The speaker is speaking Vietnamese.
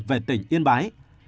về tỉnh yên bái